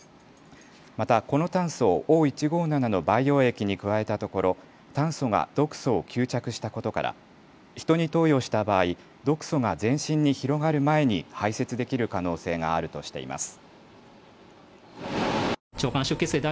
また、この炭素をＯ１５７の培養液に加えたところ炭素が毒素を吸着したことからヒトに投与した場合毒素が全身に広がる前に排せつできる可能性があるとしています。